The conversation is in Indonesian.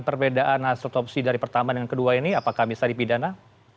perbedaan hasil otopsi dari pertama dengan kedua ini apakah bisa dipidana